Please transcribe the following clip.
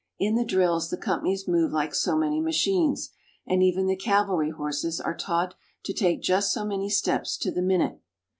In the drills the companies move like so many machines, and even the cavalry horses are taught to take just so many steps to the minute.